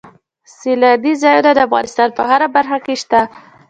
سیلاني ځایونه د افغانستان په هره برخه کې شته.